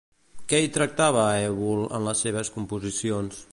Què hi tractava Eubul en les seves composicions?